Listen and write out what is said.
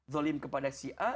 zolim kepada si a